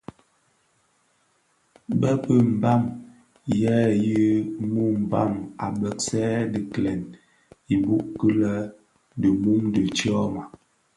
Bë bi Mbam yèn yè yi muu mbam a begsè dhi gilèn ibouk ki lè di mum dhi tyoma.